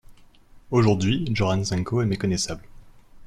Aujourd’hui Jorasanko est méconnaissable...